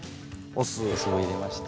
お酢を入れまして。